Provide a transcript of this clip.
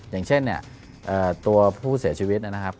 อย่างเช่นเนี่ยตัวผู้เสียชีวิตนะครับ